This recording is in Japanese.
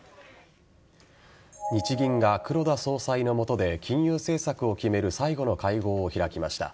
日銀が黒田総裁の下で金融政策を決める最後の会合を開きました。